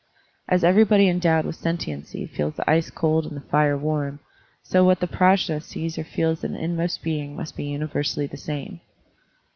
As everybody endowed with sentiency feels the ice cold and the fire warm, so what the PrajM sees or feels in its inmost being must be universally the same.